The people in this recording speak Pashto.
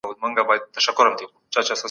د رای ورکولو پروسه څنګه روښانه کېږي؟